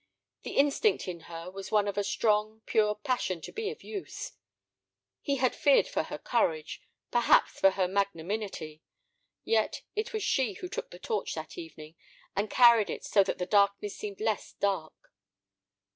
The instinct in her was one of a strong, pure passion to be of use. He had feared for her courage, perhaps for her magnanimity. Yet it was she who took the torch that evening, and carried it so that the darkness seemed less dark.